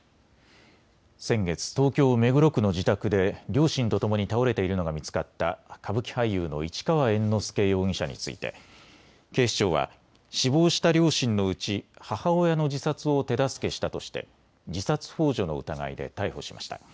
先月、東京目黒区の自宅で両親とともに倒れているのが見つかった歌舞伎俳優の市川猿之助容疑者について警視庁は死亡した両親のうち母親の自殺を手助けしたとして自殺ほう助の疑いで逮捕しました。